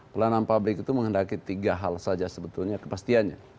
pelayanan publik itu menghendaki tiga hal saja sebetulnya kepastiannya